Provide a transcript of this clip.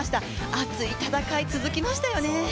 熱い戦い、続きましたよね。